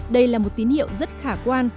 đây là một tín hiệu rất khả quan